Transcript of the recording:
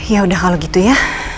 ya udah kalau gitu ya